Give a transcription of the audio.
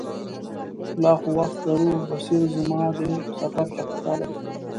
لا خو وخت لرو، بصیر زما دې سفر ته خوشاله دی.